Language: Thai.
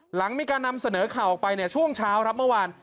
หลังมีการนำเสนอข่าวออกไปเนี่ยช่วงเช้าครับเมื่อวาน